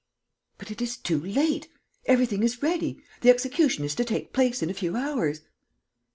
"But it is too late! Everything is ready. The execution is to take place in a few hours."